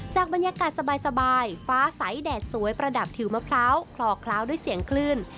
บรรยากาศสบายฟ้าใสแดดสวยประดับผิวมะพร้าวคลอคล้าวด้วยเสียงคลื่น